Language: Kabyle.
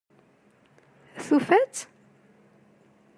Tufa-tt?